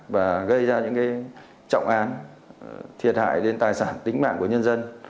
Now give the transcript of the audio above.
và gây ra những trọng án thiệt hại đến tài sản tính mạng của nhân dân